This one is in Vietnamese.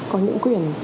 có những quyền